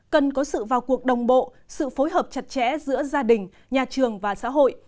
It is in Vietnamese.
cần có sự vào cuộc đồng bộ sự phối hợp chặt chẽ giữa gia đình nhà trường và xã hội